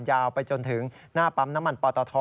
ยาวไปจนถึงหน้าปั๊มน้ำมันปอตท